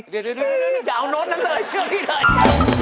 เดี๋ยวอย่าเอานดนั่นเลยเชื่อที่เดิน